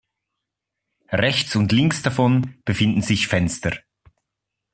Rechts und links davon befinden sich Fenster.